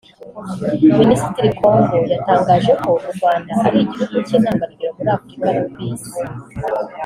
Minisitiri Kongo yatangaje ko u Rwanda ari igihugu cy’intangarugero muri Afurika no ku isi